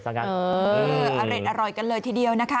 อร่อยกันเลยทีเดียวนะคะ